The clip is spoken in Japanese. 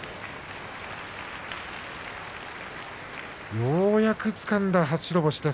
ようやくつかんだ初白星です